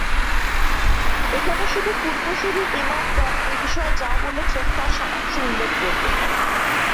এখানে শুধু পূর্বসূরি ইমামগণ এ বিষয়ে যা বলেছেন তার সারাংশ উল্লেখ করব।